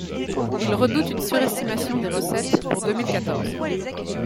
Il redoute une surestimation des recettes pour deux mille quatorze.